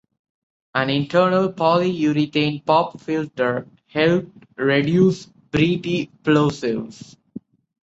An internal polyurethane pop filter helped reduce breathy plosives.